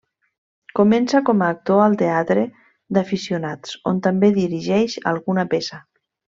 Comença com a actor al teatre d'aficionats, on també dirigeix alguna peça.